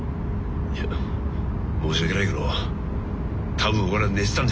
いや申し訳ないけど多分俺は寝てたんじゃないかな。